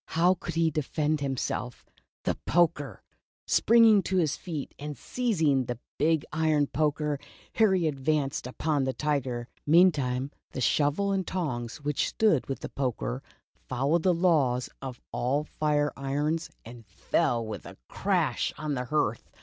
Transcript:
How could he defend himself ? The poker ! Springing to his feet and seizing the big iron poker, Harry advanced upon the Tiger. Meantime, the shovel and tongs, which stood with the poker followed the law of all fire irons and fell with a crash on the hearth